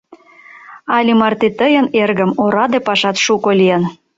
Але марте тыйын, эргым, ораде пашат шуко лийын.